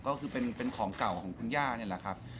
ก็คือเป็นของเก่าของคุณย่านี่แหละครับ